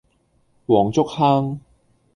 黃竹坑